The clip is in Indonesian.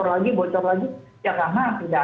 menggunakan polistis dan nggak ada gantinya